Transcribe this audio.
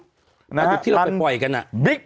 ส่วนปลาดุกที่เราไปปล่อยกันน่ะ